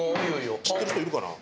知ってる人いるかな？